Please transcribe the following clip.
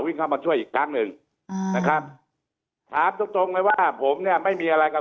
เข้ามาช่วยอีกครั้งหนึ่งอ่านะครับถามตรงตรงเลยว่าผมเนี่ยไม่มีอะไรกับ